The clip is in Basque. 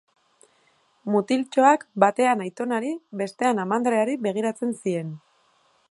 Mutiltxoak batean aitonari, bestean amandreari begiratzen zien.